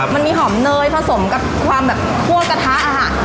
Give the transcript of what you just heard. มันมีหอมเนยผสมกับความแบบคั่วกระทะอะค่ะ